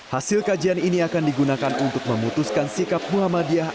hasil kajian ini akan digunakan untuk memutuskan sikap muhammadiyah